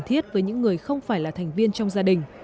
cần thiết với những người không phải là thành viên trong gia đình